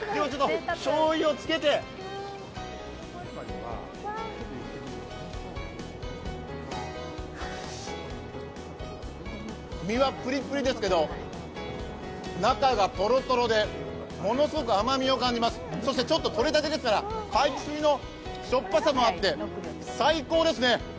しょうゆをつけて身はプリップリですけど、中がとろとろでものすごく甘みを感じます、そしてとれたてですから海水のしょっぱさもあって、最高ですね。